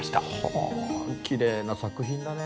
ほうきれいな作品だね。